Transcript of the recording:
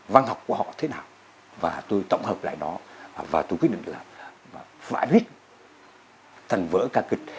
văn học của họ thế nào và tôi tổng hợp lại nó và tôi quyết định là mãi viết thành vỡ ca kịch